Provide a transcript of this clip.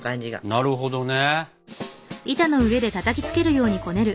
なるほどね。